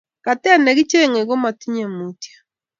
katet nekichenyei komotinyei mutyo